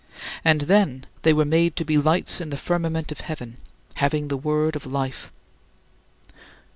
And then they were made to be lights in the firmament of heaven, having the Word of life.